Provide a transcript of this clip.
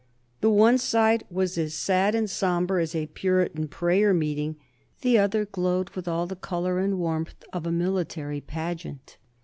The one side was as sad and sombre as a Puritan prayer meeting; the other glowed with all the color and warmth of a military pageant.